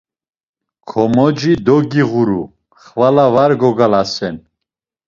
Komoci dogiğuru, xvala var gogalasen.